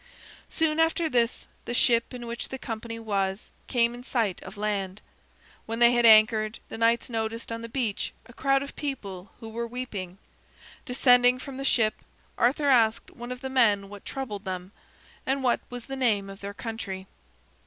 Soon after this, the ship in which the company was, came in sight of land. When they had anchored, the knights noticed on the beach a crowd of people who were weeping. Descending from the ship, Arthur asked one of the men what troubled them, and what was the name of their country.